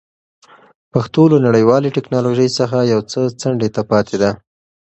پښتو له نړیوالې ټکنالوژۍ څخه یو څه څنډې ته پاتې ده.